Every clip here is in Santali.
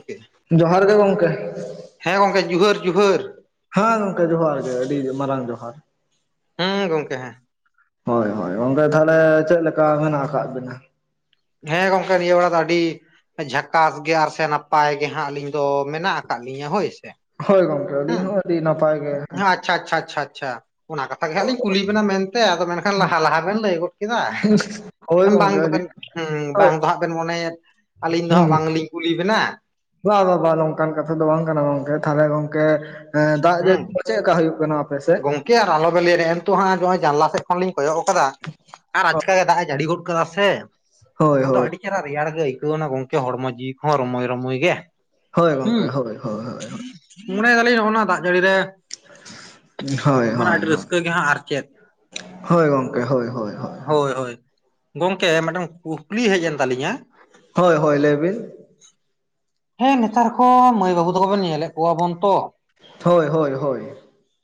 [inaudible] ᱡᱚᱦᱟᱨ ᱜᱮ ᱜᱚᱝᱠᱮ᱾ ᱦᱮᱸ ᱜᱚᱝᱠᱮ, ᱡᱩᱦᱟᱹᱨ ᱡᱩᱦᱟᱹᱨ᱾ ᱦᱮᱸ ᱜᱚᱝᱠᱮ, ᱡᱚᱦᱟᱨ ᱜᱮ ᱟᱹᱰᱤ ᱢᱟᱨᱟᱝ ᱡᱚᱦᱟᱨ᱾ ᱦᱩᱸ ᱜᱚᱝᱠᱮ ᱦᱮᱸ᱾ ᱦᱳᱭ, ᱦᱳᱭ ᱜᱚᱝᱠᱮ ᱛᱟᱦᱚᱞᱮ ᱪᱮᱫ ᱞᱮᱠᱟ ᱢᱮᱱᱟᱜ ᱟᱠᱟᱫ ᱵᱤᱱᱟ? ᱦᱮᱸ ᱜᱚᱝᱠᱮ ᱱᱤᱭᱟᱹ ᱵᱮᱲᱟ ᱫᱚ ᱟᱹᱰᱤᱼᱼ ᱡᱷᱟᱠᱟᱥ ᱜᱮ, ᱟᱨ ᱥᱮ ᱱᱟᱯᱟᱭ ᱜᱮ ᱦᱟᱸᱜ, ᱟᱹᱞᱤᱧ ᱫᱚ ᱢᱮᱱᱟᱜ ᱟᱠᱟᱫ ᱞᱤᱧᱟᱹ ᱦᱳᱭ ᱥᱮ᱾ ᱦᱳᱭ [unintelligible] ᱦᱩᱸ ᱟᱹᱰᱤ ᱱᱟᱯᱟᱭ ᱜᱮ ᱟᱪᱪᱷᱟ, ᱟᱪᱪᱷᱟ, ᱟᱪᱪᱷᱟ, ᱟᱪᱪᱷᱟ᱾ ᱚᱱᱟ ᱠᱟᱛᱷᱟ ᱜᱮ ᱦᱟᱸᱜ ᱞᱤᱧ ᱠᱩᱞᱤ ᱵᱮᱱᱟ ᱢᱮᱱᱛᱮ᱾ ᱟᱫᱚ ᱢᱮᱱᱠᱷᱟᱱ ᱞᱟᱦᱟ ᱞᱟᱦᱟ ᱵᱮᱱ ᱞᱟᱹᱭ ᱜᱚᱫ ᱠᱮᱫᱟ᱾ ᱦᱳᱭ ᱵᱟᱝ ᱜᱚᱝᱠᱮ ᱟᱹᱰᱤ ᱫᱚᱵᱮᱱ ᱦᱩᱸ, ᱦᱳᱭ ᱵᱟᱝ ᱫᱚ ᱦᱟᱸᱜ ᱵᱮᱱ ᱢᱚᱱᱮᱭᱮᱫ ᱾ ᱟᱹᱞᱤᱧ ᱫᱚ ᱦᱟᱸᱜ ᱦᱩᱸ ᱵᱟᱝ ᱞᱤᱧ ᱠᱩᱞᱤ ᱵᱮᱱᱟ᱾ ᱵᱟ, ᱵᱟ, ᱵᱟ ᱱᱚᱝᱠᱟᱱ ᱠᱟᱛᱷᱟ ᱫᱚ ᱵᱟᱝ ᱠᱟᱱᱟ ᱜᱚᱝᱠᱮ, ᱛᱟᱦᱚᱞᱮ ᱜᱚᱝᱠᱮ ᱫᱟᱜ ᱦᱩᱸ ᱡᱟᱲᱤᱼᱼ ᱪᱮᱫ ᱠᱟ ᱦᱩᱭᱩᱜ ᱠᱟᱱᱟ [unintelligible] ᱜᱚᱝᱠᱮ ᱟᱨ ᱟᱞᱚ ᱵᱤᱱ ᱞᱤᱭᱟ ᱱᱮᱜ ᱱᱤᱛᱚᱜ ᱦᱟᱸᱜ, ᱱᱚᱜᱼᱚᱭ ᱡᱟᱱᱞᱟ ᱥᱮᱫ ᱠᱷᱚᱱ ᱞᱤᱧ ᱠᱚᱭᱚᱜ ᱟᱠᱟᱫᱟ᱾ ᱟᱨ ᱟᱪᱠᱟ ᱜᱮ ᱫᱟᱜ ᱮ ᱡᱟᱹᱲᱤ ᱜᱚᱫ [unintelligible] ᱥᱮ ᱦᱳᱭ ᱟᱫᱚ ᱦᱳᱭ ᱟᱹᱰᱤᱼᱼ ᱪᱮᱦᱨᱟ ᱨᱮᱭᱟᱲ ᱜᱮ ᱟᱹᱭᱠᱟᱹᱣ ᱮᱱᱟ ᱜᱚᱝᱠᱮ, ᱦᱚᱲᱢᱚ ᱡᱤᱣᱤ ᱦᱚᱸ ᱨᱩᱢᱩᱭ ᱨᱩᱢᱩᱭ ᱜᱮ᱾ ᱦᱳᱭ ᱦᱩᱸ ᱜᱚᱝᱠᱮ ᱦᱳᱭ ᱦᱳᱭ ᱦᱳᱭ ᱢᱚᱱᱮᱭ ᱫᱟᱞᱤᱧ ᱱᱚᱜᱼᱚ ᱱᱟ ᱫᱟᱜ ᱡᱟᱹᱲᱤ ᱨᱮ ᱦᱳᱭ ᱢᱟᱱᱮ ᱦᱳᱭ ᱟᱹᱰᱤ ᱦᱳᱭ, ᱨᱟᱹᱥᱠᱟᱹ ᱜᱮ ᱦᱟᱸᱜ ᱟᱨ ᱪᱮᱫ ᱦᱳᱭ ᱜᱚᱢᱠᱮ ᱦᱳᱭ ᱦᱳᱭ ᱦᱳᱭ᱾ ᱦᱳᱭ ᱦᱳᱭ, ᱜᱚᱝᱠᱮ ᱢᱤᱫᱴᱟᱝ ᱠᱩᱠᱞᱤ ᱦᱮᱡ ᱮᱱ ᱛᱟᱞᱤᱧᱟ᱾ ᱦᱳᱭ ᱦᱳᱭ ᱞᱟᱹᱭ ᱵᱤᱱ᱾ ᱦᱮᱸ ᱱᱮᱛᱟᱨ ᱠᱚ ᱢᱟᱹᱭ ᱵᱟᱹᱵᱩ ᱛᱟᱠᱚᱵᱚᱱ ᱧᱮᱞᱮᱫ ᱠᱚᱣᱟ ᱵᱚᱱ ᱛᱚ᱾ ᱦᱳᱭ ᱦᱳᱭ ᱦᱳᱭ᱾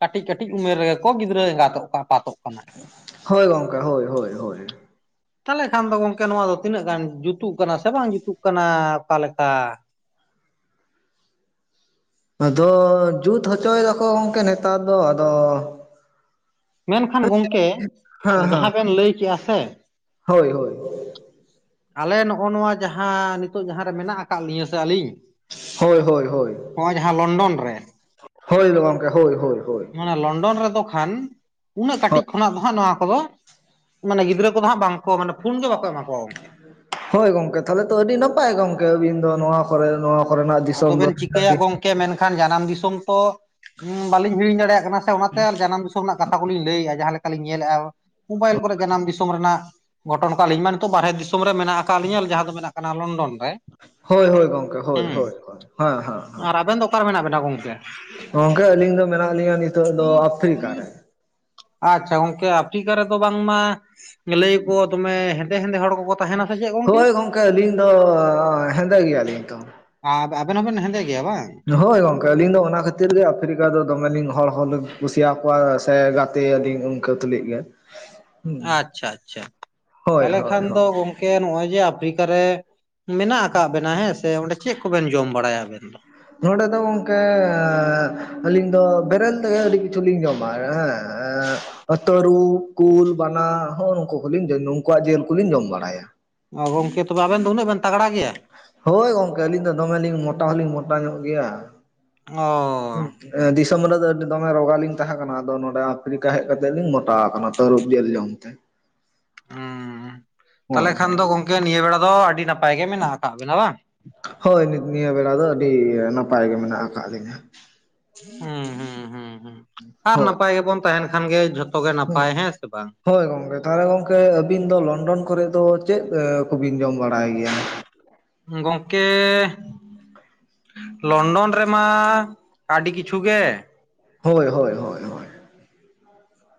ᱠᱟᱹᱴᱤᱡ ᱠᱟᱹᱴᱤᱡ ᱩᱢᱮᱨ ᱨᱮᱜᱮ ᱠᱚ ᱜᱤᱫᱽᱨᱟᱹ ᱮᱸᱜᱟᱛᱚᱜ ᱠᱟᱱ ᱟᱯᱟᱛᱚᱜ ᱠᱟᱱᱟ ᱦᱳᱭ ᱜᱚᱝᱠᱮ ᱦᱳᱭ ᱦᱳᱭ ᱦᱳᱭ᱾ ᱛᱟᱞᱦᱮ ᱠᱷᱟᱱ ᱫᱚ ᱜᱚᱝᱠᱮ ᱱᱚᱣᱟ ᱫᱚ ᱛᱤᱱᱟᱹᱜ ᱜᱟᱱ ᱡᱩᱛᱩᱜ ᱠᱟᱱᱟ ᱥᱮ ᱵᱟᱝ ᱡᱩᱛᱩᱜ ᱠᱟᱱᱟ ᱚᱠᱟᱞᱮᱠᱟ᱾ ᱟᱫᱚ ᱡᱩᱛ ᱦᱚᱪᱚᱭ ᱫᱟᱠᱚ ᱜᱚᱢᱠᱮ ᱱᱮᱛᱟᱨ ᱫᱚ ᱟᱫᱚ ᱢᱮᱱᱠᱷᱟᱱ ᱜᱚᱝᱠᱮ, ᱦᱮᱸ ᱦᱮᱸ ᱡᱟᱦᱟᱸ ᱵᱮᱱ ᱞᱟᱹᱭ ᱠᱮᱜᱼᱟ ᱥᱮ, ᱦᱳᱭ ᱦᱳᱭ ᱟᱞᱮ ᱱᱚᱜᱼᱚ ᱱᱚᱣᱟ ᱡᱟᱦᱟᱸ ᱱᱤᱛᱳᱜ ᱡᱟᱦᱟᱸ ᱨᱮ ᱢᱮᱱᱟᱜ ᱟᱠᱟᱫ ᱞᱤᱧᱟ ᱥᱮ ᱟᱹᱞᱤᱧ, ᱦᱳᱭ ᱦᱳᱭ ᱦᱳᱭ᱾ ᱦᱚᱸᱜᱼᱚᱭ ᱡᱟᱦᱟᱸ ᱞᱚᱱᱰᱚᱱ ᱨᱮ ᱦᱳᱭ ᱜᱚᱝᱠᱮ ᱦᱳᱭ ᱦᱳᱭ ᱦᱳᱭ ᱚᱱᱟ ᱞᱚᱱᱰᱚᱱ ᱨᱮᱫᱚ ᱠᱷᱟᱱ ᱩᱱᱟᱹᱜ ᱠᱟᱹᱴᱤᱡ ᱠᱷᱚᱱᱟᱜ ᱫᱚ ᱦᱟᱸᱜ ᱱᱚᱣᱟ ᱠᱚᱫᱚ ᱢᱟᱱᱮ ᱜᱤᱫᱽᱨᱟᱹ ᱠᱚᱫᱚ ᱦᱟᱸᱜ ᱵᱟᱝᱠᱚ ᱢᱟᱱᱮ ᱯᱷᱩᱱ ᱜᱮ ᱵᱟᱠᱚ ᱮᱢᱟ ᱠᱚᱣᱟ ᱜᱚᱝᱠᱮ᱾ ᱦᱳᱭ ᱜᱚᱝᱠᱮ ᱛᱟᱦᱞᱮ ᱛᱚ ᱟᱹᱰᱤ ᱱᱟᱯᱟᱭ ᱜᱚᱝᱠᱮ ᱟᱹᱵᱤᱱ ᱫᱚ ᱱᱚᱣᱟ ᱠᱚᱨᱮ ᱱᱚᱣᱟ ᱠᱚᱨᱮᱱᱟᱜ ᱫᱤᱥᱚᱢ ᱫᱚ [inaudible] ᱠᱮ ᱢᱮᱱᱠᱷᱟᱱ ᱡᱟᱱᱟᱢ ᱫᱤᱥᱚᱢ ᱛᱚ ᱩᱸ ᱵᱟᱹᱞᱤᱧ ᱦᱤᱲᱤᱧ ᱫᱟᱲᱮᱭᱟᱜ ᱠᱟᱱᱟ ᱥᱮ ᱚᱱᱟᱛᱮ ᱟᱨ ᱡᱟᱱᱟᱢ ᱫᱤᱥ ᱥᱚᱢ ᱨᱮᱱᱟᱜ ᱠᱟᱛᱷᱟ ᱠᱚᱞᱤᱧ ᱞᱟᱹᱭᱮᱫᱼᱟ ᱡᱟᱦᱟᱸ ᱞᱮᱠᱟᱞᱤᱧ ᱧᱮᱞᱮᱫᱼᱟ ᱢᱳᱵᱟᱭᱤᱞ ᱠᱚᱨᱮ ᱡᱟᱱᱟᱢ ᱫᱤᱥᱚᱢ ᱨᱮᱱᱟᱜ ᱜᱷᱚᱴᱚᱱ ᱠᱚ ᱟᱞᱤᱧ ᱢᱟ ᱱᱤᱛᱚᱜ ᱵᱟᱨᱦᱮ ᱫᱤᱥᱚᱢ ᱨᱮ ᱢᱮᱱᱟᱜ ᱟᱠᱟᱫ ᱞᱤᱧᱟᱹ ᱡᱟᱦᱟᱸ ᱫᱚ ᱢᱮᱛᱟᱜ ᱠᱟᱱᱟ ᱞᱚᱱᱰᱚᱱ᱾ ᱨᱮ ᱦᱳᱭ ᱦᱳᱭ ᱜᱚᱝᱠᱮ ᱦᱳᱭ ᱦᱩᱸ ᱦᱳᱭ, ᱦᱮᱸ ᱦᱮᱸ᱾ ᱟᱨ ᱟᱵᱮᱱ ᱫᱚ ᱚᱠᱟᱨᱮ ᱢᱮᱱᱟᱜ ᱵᱮᱱᱟ ᱜᱚᱝᱠᱮ? ᱜᱚᱝᱠᱮ ᱟᱹᱞᱤᱧ ᱫᱚ ᱢᱮᱱᱟᱜ ᱞᱤᱧᱟᱹ ᱱᱤᱛ ᱟᱪᱪᱷᱟ ᱜᱚᱝᱠᱮ ᱟᱯᱷᱨᱤᱠᱟ ᱨᱮᱫᱚ ᱵᱟᱝ ᱢᱟ ᱞᱟᱹᱭ ᱟᱠᱚ ᱫᱚᱢᱮ ᱦᱮᱸᱫᱮ ᱦᱮᱸᱫᱮ ᱦᱚᱲ ᱠᱚᱠᱚ ᱛᱟᱦᱮᱱᱟ ᱥᱮ ᱪᱮᱫ ᱦᱳᱭ ᱜᱚᱝᱠᱮ ᱟᱹᱞᱤᱧ ᱫᱚ ᱦᱮᱸᱫᱮ ᱜᱮᱭᱟᱞᱤᱧ ᱛᱚ᱾ ᱟᱨ ᱟᱵᱮᱱ ᱦᱚᱸᱵᱮᱱ ᱦᱮᱸᱫᱮ ᱜᱮᱭᱟ ᱵᱟᱝ? ᱦᱳᱭ ᱜᱚᱝᱠᱮ ᱟᱹᱞᱤᱧ ᱫᱚ ᱚᱱᱟ ᱠᱷᱟᱹᱛᱤᱨ ᱜᱮ ᱟᱯᱷᱨᱤᱠᱟ ᱫᱚ ᱫᱚᱢᱮᱞᱤᱧ ᱦᱚᱲ ᱦᱚᱞᱤᱧ ᱠᱩᱥᱤᱭᱟᱠᱚᱣᱟ ᱥᱮ ᱜᱟᱛᱮ ᱟᱹᱞᱤᱧ ᱩᱱ ᱠᱟᱹ ᱛᱩᱞᱩᱡ ᱜᱮ᱾ ᱟᱪᱪᱷᱟ ᱟᱪᱪᱷᱟ, ᱦᱳᱭ ᱛᱟᱞᱦᱮ ᱦᱳᱭ ᱠᱷᱟᱱ ᱦᱳᱭ ᱫᱚ ᱜᱚᱝᱠᱮ ᱱᱚᱜ-ᱚᱭ ᱡᱮ ᱟᱯᱷᱨᱤᱠᱟᱨ ᱨᱮ ᱢᱮᱱᱟᱜ ᱟᱠᱟᱫ ᱵᱮᱱᱟ ᱦᱮᱸ ᱥᱮ ᱚᱸᱰᱮ ᱪᱮᱫ ᱠᱚᱵᱮᱱ ᱡᱚᱢ ᱵᱟᱲᱟᱭᱟ ᱟᱵᱮᱱ ᱫᱚ? ᱱᱚᱸᱰᱮ ᱫᱚ ᱜᱚᱝᱠᱮ ᱟᱹᱞᱤᱧ ᱫᱚ ᱵᱮᱨᱮᱞ ᱛᱮᱜᱮ ᱟᱹᱰᱤ ᱠᱤᱪᱷᱩ ᱞᱤᱧ ᱡᱚᱢᱟ ᱦᱮᱸᱻ ᱚ ᱛᱟᱹᱨᱩᱵ, ᱠᱩᱞ, ᱵᱟᱱᱟ, ᱦᱚᱸᱜ ᱱᱩᱠᱩ ᱠᱚᱞᱤᱧ ᱠᱚ ᱱᱩᱠᱩᱣᱟᱜ ᱡᱤᱞ ᱠᱚᱞᱤᱧ ᱡᱚᱢ ᱵᱟᱲᱟᱭᱟ᱾ ᱚ ᱜᱚᱝᱠᱮ ᱛᱚᱵᱮ ᱟᱵᱮᱱ ᱫᱚ ᱩᱱᱟᱹᱜ ᱵᱮᱱ ᱛᱟᱜᱽᱲᱟ ᱜᱮᱭᱟ? ᱦᱳᱭ ᱜᱚᱝᱠᱮ ᱟᱹᱞᱤᱧ ᱫᱚ ᱫᱚᱢᱮᱞᱤᱧ ᱢᱚᱴᱟ ᱦᱚᱞᱤᱧ ᱢᱚᱴᱟ ᱧᱚᱜ ᱜᱮᱭᱟ᱾ ᱚᱻ ᱫᱤᱥᱚᱢ ᱨᱮᱫᱚ ᱟᱹᱰᱤ ᱫᱚᱢᱮ ᱨᱚᱜᱟ ᱞᱤᱧ ᱛᱟᱦᱮᱸ ᱠᱟᱱᱟ ᱟᱫᱚ ᱱᱚᱰᱮ [inaudible] ᱟᱯᱷᱨᱤᱠᱟ ᱦᱮᱡ ᱠᱟᱛᱮᱫ ᱞᱤᱧ ᱢᱚᱴᱟ ᱟᱠᱟᱱᱟ ᱛᱟᱹᱨᱩᱵ ᱧᱮᱞ ᱡᱚᱢ ᱛᱮ᱾ ᱦᱩ ᱦᱳᱭ ᱛᱟᱦᱚᱞᱮ ᱠᱷᱟᱱ ᱦᱳᱭ ᱫᱚ ᱜᱚᱝᱠᱮ ᱱᱤᱭᱟᱹ ᱵᱮᱲᱟ ᱫᱚ ᱟᱹᱰᱤ ᱱᱟᱯᱟᱭ ᱜᱮ ᱢᱮᱱᱟᱜ ᱟᱠᱟᱜ ᱵᱮᱱᱟ ᱵᱟᱝ? ᱦᱳᱭ ᱱᱤᱛ ᱱᱤᱭᱟᱹ ᱵᱮᱲᱟ ᱫᱚ ᱟᱹᱰᱤ ᱱᱟᱯᱟᱭ ᱜᱮ ᱢᱮᱱᱟᱜ ᱟᱠᱟᱫ ᱞᱤᱧᱟ᱾ ᱦᱩᱸ ᱦᱩᱸ ᱦᱩᱸ ᱦᱩᱸ ᱟᱨ ᱦᱳᱭ ᱱᱟᱯᱟᱭ ᱜᱮᱵᱚᱱ ᱛᱟᱦᱮᱱ ᱠᱷᱟᱱ ᱜᱮ ᱡᱷᱚᱛᱚ ᱜᱮ ᱦᱩᱸ ᱱᱟᱯᱟᱭ, ᱦᱮᱸ ᱥᱮ ᱵᱟᱝ? ᱦᱳᱭ ᱜᱚᱝᱠᱮ ᱛᱟᱦᱚᱞᱮ ᱜᱚᱝᱠᱮ ᱟᱵᱤᱱ ᱫᱚ ᱞᱚᱱᱰᱚᱱ ᱠᱚᱨᱮᱜ ᱫᱚ ᱪᱮᱫᱽ ᱮ ᱠᱚᱵᱤᱱ ᱡᱚᱢ ᱵᱟᱲᱟᱭ ᱜᱮᱭᱟ? ᱜᱚᱝᱠᱮ ᱞᱚᱱᱰᱚᱱ ᱨᱮᱢᱟ ᱟᱹᱰᱤ ᱠᱤᱪᱷᱩ ᱜᱮ᱾ ᱦᱳᱭ ᱦᱳᱭ ᱦᱳᱭ ᱦᱳᱭ᱾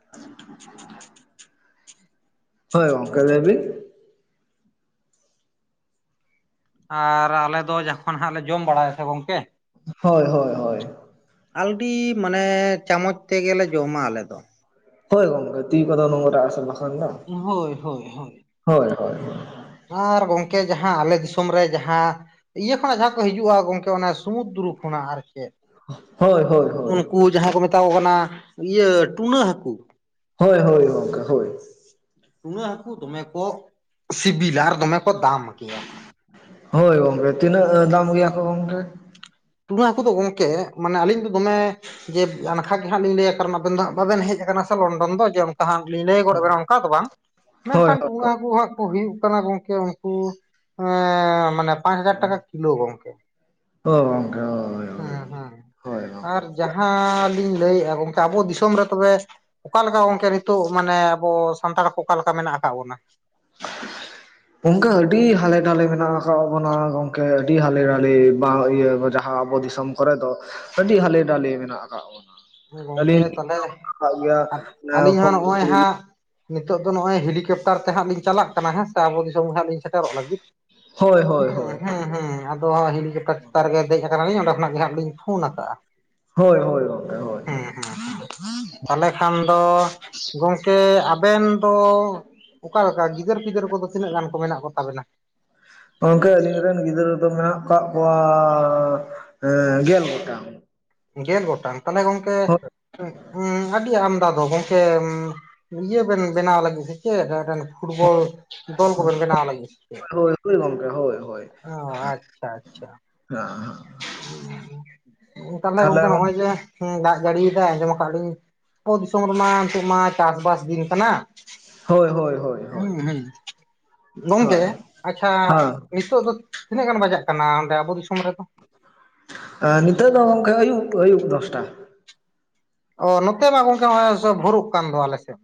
[inaudible] ᱦᱳᱭ ᱜᱚᱝᱠᱮ ᱞᱟᱹᱭ ᱵᱤᱱ ᱟᱨ ᱟᱞᱮ ᱫᱚ ᱡᱚᱠᱷᱚᱱ ᱦᱟᱸᱜ ᱞᱮ ᱡᱚᱢ ᱵᱟᱲᱟᱭᱟ ᱥᱮ ᱜᱚᱢᱠᱮ, ᱦᱳᱭ ᱦᱳᱭ ᱦᱳᱭ᱾ ᱟᱞᱰᱤ ᱢᱟᱱᱮ ᱪᱟᱢᱚᱪ ᱛᱮᱜᱮᱞᱮ ᱡᱚᱢᱟ ᱟᱞᱮ ᱫᱚ᱾ ᱦᱚᱭ ᱜᱚᱝᱠᱮ, ᱛᱤ ᱠᱚᱫᱚ ᱱᱚᱝᱨᱟ ᱟᱥᱮ‌ ᱵᱟᱝ᱾ ᱦᱳᱭ ᱦᱳᱭ ᱦᱳᱭ᱾ ᱦᱳᱭ ᱦᱳᱭ᱾ ᱟᱨ ᱜᱚᱝᱠᱮ ᱡᱟᱸᱦᱟ ᱟᱞᱮ ᱫᱤᱥᱚᱢ ᱨᱮ ᱡᱟᱸᱦᱟ, ᱤᱭᱟᱹ ᱠᱷᱚᱱᱟᱜ ᱡᱟᱸᱦᱟᱸ ᱠᱚ ᱦᱤᱡᱩᱜᱼᱟ ᱜᱚᱝᱠᱮ ᱚᱱᱮ ᱥᱚᱢᱩᱫᱨᱩ ᱠᱷᱚᱱᱟᱜ ᱟᱨ ᱪᱮᱫ, ᱦᱳᱭ ᱦᱳᱭ [inaudible] ᱦᱳᱭ ᱩᱱᱠᱩ ᱠᱩ ᱡᱟᱸᱦᱟᱸᱭ ᱠᱚ ᱢᱮᱛᱟ ᱠᱚ ᱠᱟᱱᱟ, ᱤᱭᱟᱹ ᱴᱩᱱᱟᱹᱜ ᱦᱟᱹᱠᱩ᱾ ᱦᱳᱭ ᱦᱳᱭ ᱚᱱᱠᱟ ᱦᱳᱭ᱾ ᱴᱩᱱᱟᱹ ᱦᱟᱹᱠᱩ ᱫᱚᱢᱮ ᱠᱚ ᱥᱤᱵᱤᱞᱟ ᱟᱨ ᱫᱚᱢᱮ ᱠᱚ ᱫᱟᱢ ᱜᱮᱭᱟ᱾ ᱦᱳᱭ ᱜᱚᱢᱠᱮ ᱛᱤᱱᱟᱹᱜ ᱫᱟᱢ ᱦᱩᱭ ᱟᱠᱚ ᱜᱚᱢᱠᱮ᱾ ᱴᱩᱱᱟᱹ ᱦᱟᱹᱠᱩ ᱫᱚ ᱜᱚᱢᱠᱮ ᱢᱟᱱᱮ ᱟᱹᱞᱤᱧ ᱫᱚ ᱫᱚᱢᱮ ᱡᱮ ᱟᱱᱠᱷᱟ ᱜᱮ ᱦᱟᱸᱜ ᱞᱤᱧ ᱞᱟᱹᱭᱟ ᱠᱟᱨᱚᱱ ᱟᱵᱮᱱ ᱫᱚ ᱵᱟᱵᱮᱱ ᱦᱮᱡ ᱟᱠᱟᱱᱟ ᱥᱮ ᱞᱚᱱᱰᱚᱱ ᱫᱚ ᱡᱮ, [unintelligible] ᱞᱤᱧ ᱞᱟᱹᱭ ᱜᱚᱫ ᱵᱮᱱᱟ ᱚᱱᱠᱟ ᱫᱚ ᱵᱟᱝ, ᱦᱳᱭ ᱮᱱᱠᱷᱟᱱ ᱴᱩᱱᱟᱹ ᱦᱳᱭ ᱦᱟᱹᱠᱩ ᱦᱟᱸᱜ ᱦᱩᱭᱩᱜ ᱠᱟᱱᱟ ᱜᱚᱝᱠᱮ ᱩᱱᱠᱩ ᱮ ᱢᱟᱱᱮ ᱯᱟᱸᱪ ᱦᱟᱡᱟᱨ ᱴᱟᱠᱟ ᱠᱤᱞᱳ ᱜᱚᱝᱠᱮ᱾ ᱚ ᱜᱚᱝᱠᱮ᱾ ᱦᱳᱭ ᱦᱳᱭ ᱦᱮᱸ ᱦᱮᱸ ᱦᱳᱭ ᱟᱨ ᱜᱚᱝᱠᱮ ᱡᱟᱸᱦᱟᱸ ᱞᱤᱧ ᱞᱟᱹᱭᱮᱜᱼᱟ ᱜᱚᱝᱠᱮ ᱟᱵᱚ ᱫᱤᱥᱚᱢ ᱨᱮ ᱛᱚᱵᱮ ᱚᱠᱟ ᱞᱮᱠᱟ ᱜᱚᱝᱠᱮ ᱱᱤᱛᱚᱜ ᱢᱟᱱᱮ ᱟᱵᱚ ᱥᱟᱱᱛᱟᱲ ᱠᱚ ᱚᱠᱟ ᱞᱮᱠᱟ ᱢᱮᱱᱟᱜ ᱟᱠᱟ ᱵᱚᱱᱟ᱾ [inaudible] ᱚᱱᱠᱟ ᱟᱹᱰᱤ ᱦᱟᱞᱮ ᱰᱟᱞᱮ ᱢᱮᱱᱟᱜ ᱟᱠᱟᱫ ᱵᱚᱱᱟ ᱜᱚᱝᱠᱮ ᱟᱹᱰᱤ ᱦᱟᱞᱮ ᱰᱟᱞᱮ, [inaudible] ᱤᱭᱟᱹ ᱡᱟᱸᱦᱟᱸ ᱟᱵᱚ ᱫᱤᱥᱚᱢ᱾ ᱫᱤᱥᱚᱢ ᱠᱚᱨᱮ ᱫᱚ ᱟᱹᱰᱤ ᱦᱟᱞᱮ ᱰᱟᱞᱮ ᱢᱮᱱᱟᱜ ᱟᱠᱟᱫ ᱵᱚᱱᱟ᱾ ᱜᱚᱝᱠᱮ ᱟᱹᱞᱤᱧ ᱞᱤᱧ ᱛᱟᱦᱚᱞᱮ, ᱟᱠᱟᱫ ᱜᱮᱭᱟ ᱟᱹᱞᱤᱧ ᱦᱚᱸ ᱱᱚᱜᱼᱚᱭ ᱦᱟᱸᱜ ᱱᱤᱛᱚᱜ ᱫᱚ ᱱᱚᱜᱼᱚᱭ ᱦᱮᱞᱤᱠᱯᱴᱟᱨ ᱛᱮ ᱦᱟᱸᱜ ᱞᱤᱧ ᱪᱟᱞᱟᱜ ᱠᱟᱱᱟ ᱦᱮᱸ ᱥᱮ ᱟᱵᱚ ᱫᱤᱥᱚᱢ ᱜᱮ ᱦᱟᱸᱜ ᱞᱤᱧ ᱥᱮᱴᱮᱨᱚᱜ ᱞᱟᱹᱜᱤᱫ᱾ ᱦᱳᱭ ᱦᱳᱭ ᱦᱳᱭ ᱦᱮᱸ ᱦᱮᱸ ᱦᱮᱸ ᱟᱫᱚ ᱦᱮᱞᱤᱠᱯᱴᱟᱨ ᱪᱮᱛᱟᱱ ᱨᱮᱜᱮ ᱫᱮᱡ ᱟᱠᱟᱱᱟᱞᱤᱧ ᱚᱸᱰᱮ ᱠᱷᱱᱟᱜ ᱜᱮ ᱦᱟᱸᱜ ᱞᱤᱧ ᱯᱷᱩᱱ ᱟᱠᱟᱜᱼᱟ᱾ ᱦᱳᱭ ᱦᱳᱭ ᱜᱟᱝᱠᱮ ᱦᱳᱭ᱾ ᱦᱮᱸ ᱦᱳᱭ ᱦᱮᱸ ᱛᱟᱦᱚᱞᱮ ᱠᱷᱟᱱ ᱫᱚ ᱜᱚᱝᱠᱮ ᱟᱵᱮᱱ ᱛᱚ ᱚᱠᱟ ᱞᱮᱠᱟ ᱜᱤᱫᱟᱹᱨ ᱯᱤᱫᱟᱹᱨ ᱠᱚᱫᱚ ᱛᱤᱱᱟᱹᱜ ᱜᱟᱱ ᱠᱚ ᱢᱮᱱᱟᱜ ᱠᱚ ᱛᱟᱵᱮᱱᱟ? ᱜᱚᱝᱠᱮ ᱟᱞᱤᱧ ᱨᱮᱱ ᱜᱤᱫᱽᱨᱟᱹ ᱫᱚ ᱢᱮᱱᱟᱜ ᱟᱠᱟᱫ ᱠᱚᱣᱟ, ᱜᱮᱞ ᱜᱚᱴᱟᱝ᱾ ᱜᱮᱞ ᱜᱚᱴᱟᱝ, ᱛᱟᱦᱞᱮ ᱜᱚᱝᱠᱮ ᱦᱳᱭ ᱟᱹᱰᱤ ᱟᱢᱫᱟ ᱫᱚ ᱜᱚᱝᱠᱮ ᱤᱭᱟᱹ ᱵᱮᱱ ᱵᱮᱱᱟᱣ ᱞᱟᱹᱜᱤᱫ ᱥᱮ ᱪᱮᱫ [inaudible] ᱯᱷᱩᱴᱵᱚᱞ ᱫᱚᱞ ᱠᱚ ᱵᱮᱱ ᱵᱮᱱᱟᱣ ᱞᱟᱜᱤᱫ ᱥᱮ ᱪᱮᱫ᱾ ᱦᱳᱭ ᱦᱳᱭ ᱜᱚᱝᱠᱮ ᱦᱳᱭ ᱦᱳᱭ ᱚ ᱟᱪᱪᱷᱟ ᱟᱪᱪᱷᱟ᱾ [inaudible] ᱛᱟᱦᱞᱮ ᱜᱚᱝᱠᱮ ᱱᱚᱜᱼᱚᱭ ᱡᱮ, ᱦᱮᱸ ᱫᱟᱜ ᱡᱟᱹᱲᱤᱭᱮᱫᱟᱭ ᱟᱸᱡᱚᱢ ᱟᱠᱟᱫ ᱞᱤᱧ, ᱟᱵᱚ ᱫᱤᱥᱚᱢ ᱨᱮᱢᱟ ᱱᱤᱛᱚᱜ ᱢᱟ ᱪᱟᱥᱵᱟᱥ ᱫᱤᱱ ᱠᱟᱱᱟ᱾ ᱦᱳᱭ ᱦᱳᱭ ᱦᱳᱭ ᱦᱳᱭ ᱦᱮᱸ ᱦᱮᱸ ᱜᱚᱝᱠᱮ, ᱦᱳᱭ ᱟᱪᱪᱷᱟ, ᱱᱤᱛᱚᱜ ᱫᱚ ᱛᱤᱱᱟᱹᱜ ᱜᱟᱱ ᱵᱟᱡᱟᱜ ᱠᱟᱱᱟ ᱚᱸᱰᱮ ᱟᱵᱚ ᱫᱤᱥᱚᱢ ᱨᱮᱫᱚ? ᱟ ᱱᱤᱛᱚᱜ ᱫᱚ ᱜᱚᱢᱠᱮ ᱟᱹᱭᱩᱵ ᱟᱹᱭᱩᱵ ᱫᱚᱥᱴᱟ᱾ ᱚ ᱱᱚᱛᱮ ᱢᱟ ᱜᱚᱝᱠᱮ ᱦᱚᱸᱜ-ᱚᱭ ᱵᱷᱩᱨᱩᱜ ᱠᱟᱱ ᱫᱚ ᱟᱞᱮ ᱥᱮᱫ᱾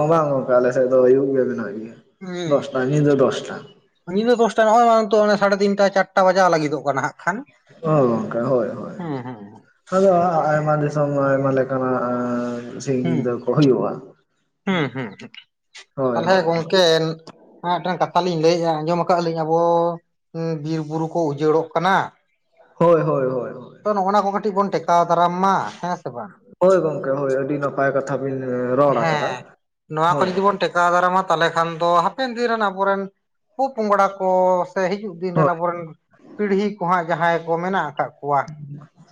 ᱚ ᱵᱟᱝ ᱜᱚᱝᱠᱮ ᱟᱞᱮ ᱥᱮᱫ ᱫᱚ ᱟᱭᱩᱵ ᱜᱮ ᱢᱮᱱᱟᱜ ᱜᱮᱭᱟ ᱫᱚᱥᱴᱟ, ᱦᱩᱸ ᱧᱤᱫᱟᱹ ᱫᱚᱥᱴᱟ᱾ ᱧᱤᱫᱟᱹ ᱫᱚᱥᱴᱟ [unintelligible] ᱥᱟᱲᱮ ᱛᱤᱱᱴᱟ ᱪᱟᱨᱴᱟ ᱵᱟᱡᱟᱜ ᱞᱟᱹᱜᱤᱫᱚᱜ ᱠᱟᱱᱟ ᱦᱟᱸᱜ ᱾ ᱚ ᱜᱚᱝᱠᱮ ᱦᱳᱭ ᱦᱳᱭ ᱦᱩᱸ ᱾ ᱟᱫᱚ ᱟᱭᱢᱟ ᱫᱤᱥᱚᱢ ᱟᱭᱢᱟ ᱞᱮᱠᱟᱱᱟᱜ [inaudible] ᱥᱤᱧ ᱧᱤᱫᱟᱹ ᱦᱩᱸ ᱠᱚ ᱦᱩᱭᱩᱜᱼᱟ ᱾ ᱦᱩᱸ ᱦᱩᱸ ᱛᱟᱦᱞᱮ ᱦᱳᱭ ᱜᱚᱝᱠᱮ ᱟᱸ ᱴᱟᱝ ᱠᱟᱛᱷᱟ ᱞᱤᱧ ᱞᱟᱹᱭᱮᱜᱼᱟ ᱟᱸᱡᱚᱢ ᱟᱠᱟᱜ ᱞᱤᱧ ᱟᱵᱚ ᱩᱸ ᱵᱤᱨ ᱵᱩᱨᱩ ᱠᱚ ᱩᱡᱟᱹᱲᱚᱜ ᱠᱟᱱᱟ ᱾ ᱦᱳᱭ ᱦᱳᱭ, ᱦᱳᱭ ᱛᱚ ᱱᱚᱜᱼᱱᱚᱣᱟ ᱠᱚ ᱠᱟᱹᱴᱤᱡ ᱵᱚᱱ ᱴᱮᱠᱟᱣ ᱫᱟᱨᱟᱢ ᱢᱟ ᱦᱮᱸ ᱥᱮ ᱵᱟᱝ? ᱦᱳᱭ ᱜᱚᱝᱠᱮ ᱦᱳᱭ ᱟᱹᱰᱤ ᱱᱟᱯᱟᱭ ᱠᱟᱛᱷᱟ ᱵᱤᱱ ᱨᱚᱲ ᱟᱠᱟᱫᱟ ᱦᱮᱸ ᱱᱚᱣᱟ ᱠᱚ ᱦᱳᱭ ᱡᱩᱫᱤ ᱾ ᱵᱚᱱ ᱴᱮᱠᱟᱣ ᱫᱟᱨᱟᱢᱟ ᱛᱟᱞᱮ ᱠᱷᱟᱱ ᱫᱚ ᱦᱟᱯᱮᱱ ᱫᱤᱱ ᱨᱮᱱ ᱟᱵᱚᱨᱮᱱ ᱯᱚ ᱯᱚᱝᱲᱟ ᱠᱚ ᱾ ᱥᱮ ᱦᱤᱡᱩᱜ ᱫᱤᱱ ᱨᱮᱱ ᱦᱳᱭ ᱟᱵᱚᱨᱮᱱ ᱯᱤᱲᱦᱤ ᱠᱚ ᱦᱟᱸᱜ ᱡᱟᱦᱟᱸᱭ ᱠᱚ ᱢᱮᱱᱟᱜ ᱟᱠᱟᱜ ᱾ ᱠᱚᱣᱟ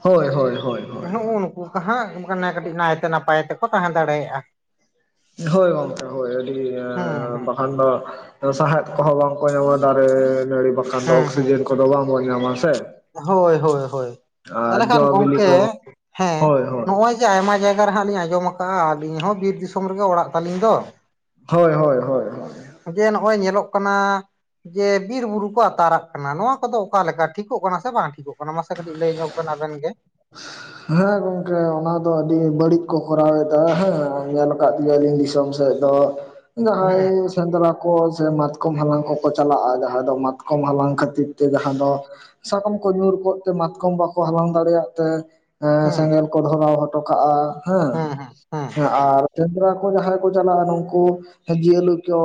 ᱦᱳᱭ ᱦᱳᱭ ᱦᱳᱭ [unintelligible] ᱦᱳᱭ [unintelligible] ᱦᱟᱸᱜ ᱱᱮ ᱠᱟᱹᱴᱤᱡ ᱱᱟᱭᱛᱮ ᱱᱟᱯᱟᱭ ᱛᱮᱠᱚ ᱛᱟᱦᱮᱸ ᱫᱟᱲᱮᱭᱟᱜᱼᱟ ᱾ ᱦᱳᱭ ᱜᱚᱝᱠᱮ ᱦᱳᱭ ᱟᱹᱰᱤ ᱦᱩᱸ [inaudible] ᱦᱩᱸ ᱵᱟᱠᱷᱟᱱ ᱫᱚ ᱥᱟᱦᱮᱫ ᱠᱚᱦᱚᱸ ᱵᱟᱝ ᱾ ᱠᱚ ᱧᱟᱢᱟ ᱫᱟᱨᱮ ᱱᱟᱹᱲᱤ ᱵᱟᱠᱷᱟᱱ ᱫᱚ ᱦᱩᱸ ᱦᱩᱸ ᱚᱠᱥᱤᱡᱮᱱ ᱠᱚᱫᱚ ᱵᱟᱝ ᱵᱚᱱ ᱧᱟᱢᱟ ᱥᱮ ᱾ ᱦᱳᱭ ᱦᱳᱭ ᱦᱳᱭ ᱛᱷᱟᱞᱮ ᱠᱷᱟᱱ ᱵᱤᱞᱤ ᱜᱚᱢᱠᱮ ᱠᱚ ᱦᱮᱸ ᱦᱳᱭ ᱦᱳᱭ ᱱᱚᱜᱼᱚᱭ ᱡᱮ ᱟᱭᱢᱟ ᱡᱟᱭᱜᱟ ᱨᱮ ᱦᱟᱸᱜ ᱞᱤᱧ ᱟᱸᱡᱚᱢ ᱠᱟᱜᱼᱟ ᱟᱹᱞᱤᱧ ᱦᱚᱸ ᱵᱤᱨ ᱫᱤᱥᱚᱢ ᱨᱮᱜᱮ ᱚᱲᱟᱜ ᱛᱟᱹᱞᱤᱧ ᱫᱚ ᱾ ᱦᱳᱭ ᱦᱳᱭ ᱦᱳ ᱾ [inaudible] ᱡᱮ ᱱᱚᱜᱼᱚᱭ ᱧᱮᱞᱚᱜ ᱠᱟᱱᱟ ᱾ ᱡᱮ ᱵᱤᱨ ᱵᱩᱨᱩ ᱠᱚ ᱟᱛᱟᱨᱟᱜ ᱠᱟᱱᱟ ᱱᱚᱣᱟ ᱠᱚᱫᱚ ᱚᱠᱟᱞ ᱞᱮᱠᱟ ᱴᱷᱤᱠ ᱾ ᱴᱷᱤᱠᱚᱜ ᱠᱟᱱᱟ ᱥᱮ ᱵᱟᱝ ᱴᱷᱤᱠᱚᱜ ᱠᱟᱱᱟ ᱢᱟᱥᱮ ᱠᱟᱹᱴᱤᱡ ᱞᱟᱹᱭ ᱧᱚᱜ ᱵᱮᱱ ᱟᱵᱮᱱ ᱜᱮ? [inaudible] ᱦᱮᱸ ᱜᱚᱝᱠᱮ ᱚᱱᱟ ᱫᱚ ᱟᱹᱰᱤ ᱵᱟᱹᱲᱤᱡ ᱠᱚ ᱠᱚᱨᱟᱣ ᱮᱫᱟ ᱦᱮᱸ ᱧᱮᱞ ᱠᱟᱫ ᱜᱮᱭᱟ ᱞᱤᱧ ᱫᱤᱥᱚᱢ ᱾ ᱪᱮᱜ ᱫᱚ ᱦᱮᱸ [unintelligible] ᱥᱮᱸᱫᱽᱨᱟ ᱠᱚ ᱥᱮ ᱢᱟᱛᱠᱚᱢ ᱦᱟᱞᱟᱝ ᱠᱚᱠᱚ ᱪᱟᱞᱟᱜᱼᱟ ᱡᱟᱦᱟᱸᱭ ᱫᱚ ᱢᱟᱛᱠᱚᱢ ᱦᱟᱞᱟᱝ ᱠᱷᱟᱹᱛᱤᱨ ᱛᱮ ᱡᱟᱦᱟᱸ ᱫᱚ ᱾ ᱥᱟᱠᱟᱢ ᱠᱚ ᱧᱩᱨ ᱠᱚᱫ ᱾ ᱡᱮ ᱢᱟᱛᱠᱚᱢ ᱵᱟᱠᱚ ᱦᱟᱞᱟᱝ ᱫᱟᱲᱮᱭᱟᱜ ᱛᱮ ᱮ ᱦᱮᱸ ᱥᱮᱸᱜᱮᱞ ᱠᱚ ᱫᱷᱚᱨᱟᱣ ᱦᱚᱴᱚ ᱠᱟᱜᱼᱟ ᱾ ᱦᱮᱸ ᱦᱮ ᱟᱨ ᱠᱮᱢᱨᱟ ᱠᱚ ᱡᱟᱦᱟᱸ ᱨᱮᱠᱚ ᱪᱟᱞᱟᱜᱼᱟ ᱱᱩᱝᱠᱩ ᱡᱤᱭᱟᱹᱞᱩᱛᱚ